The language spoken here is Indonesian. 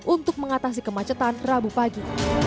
untuk mengatasi kemacetan rabu pagi